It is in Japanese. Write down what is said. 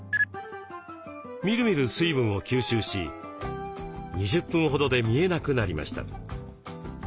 みるみる水分を吸収し２０分ほどで見えなくなりました。